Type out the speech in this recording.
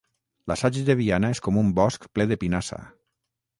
L'assaig de Viana és com un bosc ple de pinassa.